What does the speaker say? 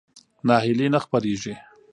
ناهیلي نه خپرېږي.